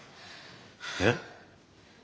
えっ？